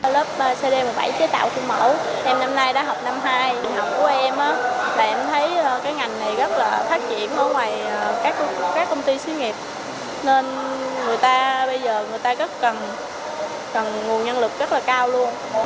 lớp cd một mươi bảy chế tạo khuôn mẫu em năm nay đã học năm hai học của em là em thấy cái ngành này rất là phát triển ở ngoài các công ty xí nghiệp nên người ta bây giờ người ta rất cần nguồn nhân lực rất là cao luôn